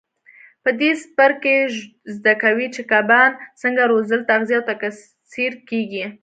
په دې څپرکي کې زده کوئ چې کبان څنګه روزل تغذیه او تکثیر کېږي.